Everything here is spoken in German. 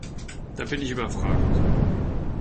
Da bin ich überfragt.